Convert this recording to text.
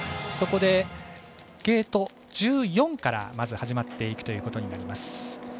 そこで、ゲート１４からまず始まっていくということになります。